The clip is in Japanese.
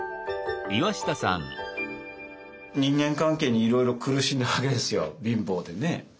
人間関係にいろいろ苦しんだわけですよ貧乏でね。